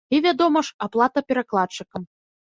І, вядома ж, аплата перакладчыкам.